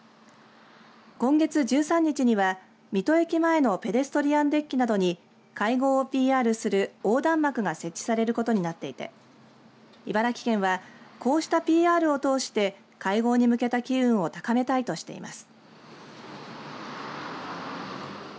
今月１３日には水戸駅前のペデストリアンデッキなどに会合をＰＲする横断幕が設置されることになっていて茨城県はこうしたＰＲを通して会合に向けた機運を高めたいとしています。